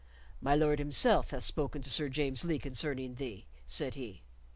"My Lord himself hath spoken to Sir James Lee concerning thee," said he.